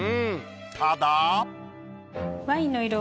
ただ。